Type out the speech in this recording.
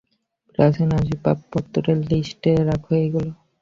প্রাচীন আসবাপত্রের লিস্টে, রাখো এইগুলা।